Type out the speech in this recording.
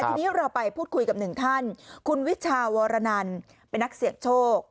ทีนี้เราไปพูดคุยกับหนึ่งท่านคุณวิชาวรนันเป็นนักเสี่ยงโชค